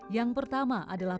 yang pertama adalah